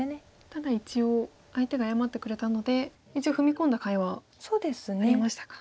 ただ一応相手が謝ってくれたので一応踏み込んだかいはありましたか。